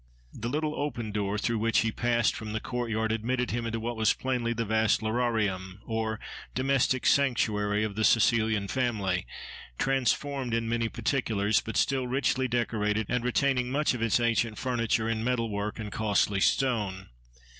The little open door, through which he passed from the court yard, admitted him into what was plainly the vast Lararium, or domestic sanctuary, of the Cecilian family, transformed in many particulars, but still richly decorated, and retaining much of its ancient furniture in metal work and costly stone.